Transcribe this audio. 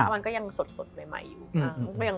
มันก็ยังสดใหม่อยู่